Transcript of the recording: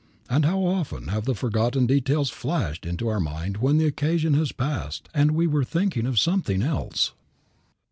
And how often have the forgotten details flashed into our mind when the occasion had passed and we were thinking of something else.